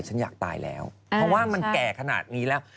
ฉันอยากตายแล้วเพราะว่ามันแก่ขนาดนี้แล้ว